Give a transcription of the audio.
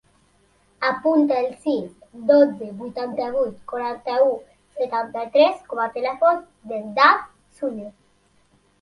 Apunta el sis, dotze, vuitanta-vuit, quaranta-u, setanta-tres com a telèfon del Dan Suñe.